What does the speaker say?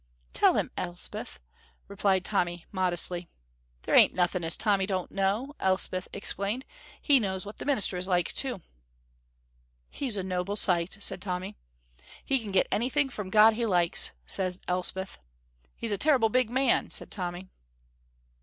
"Tell him, Elspeth," replied Tommy modestly. "There ain't nuthin' as Tommy don't know," Elspeth explained. "He knows what the minister is like too." "He's a noble sight," said Tommy. "He can get anything from God he likes," said Elspeth. "He's a terrible big man," said Tommy.